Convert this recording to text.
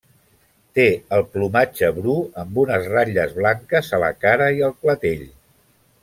Té el plomatge bru amb unes ratlles blanques a la cara i al clatell.